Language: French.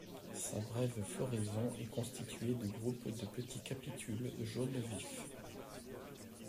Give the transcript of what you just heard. Sa brève floraison est constituée de groupes de petits capitules jaune vif.